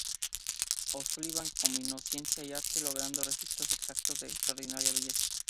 O'Sullivan combinó ciencia y arte, logrando registros exactos de extraordinaria belleza.